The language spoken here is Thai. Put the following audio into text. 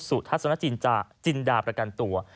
ถึงสุพัสนชาชินดาประกันตัว